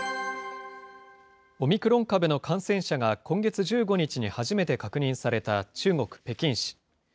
オミクロン株の感染者が今月１５日に初めて確認された中国・北京市。